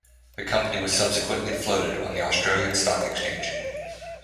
The company was subsequently floated on the Australian Stock Exchange.